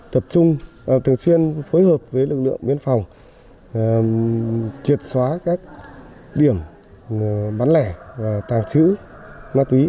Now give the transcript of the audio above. tập trung thường xuyên phối hợp với lực lượng biên phòng triệt xóa các điểm bán lẻ và tàng trữ ma túy